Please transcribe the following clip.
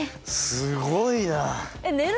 すごいな！